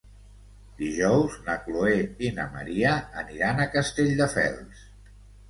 Dijous na Chloé i na Maria aniran a Castelldefels.